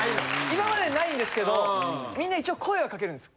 今までないんですけどみんな一応声はかけるんですよ。